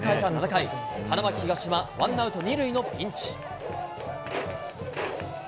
７回、花巻東はワンアウト２塁のピンチ。